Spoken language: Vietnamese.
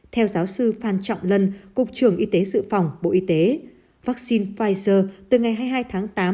theo giáo sư phan trọng lân cục trưởng y tế dự phòng bộ y tế vaccine pfizer từ ngày hai mươi hai tháng tám